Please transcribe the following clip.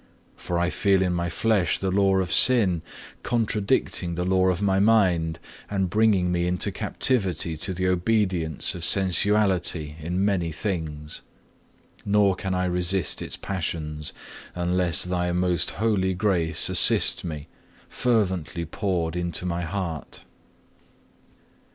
For I feel in my flesh the law of sin, contradicting the law of my mind, and bringing me into captivity to the obedience of sensuality in many things; nor can I resist its passions, unless Thy most holy grace assist me, fervently poured into my heart.